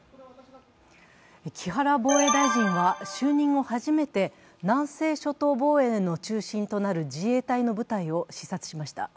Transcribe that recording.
木原防衛大臣は就任後初めて南西諸島防衛の中心となる自衛隊の部隊を視察しました。